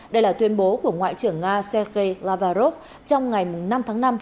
đây là tuyên bố của ngoại trưởng nga sergei lavrov trong ngày năm tháng năm